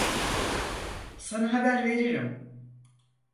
Sana haber veririm.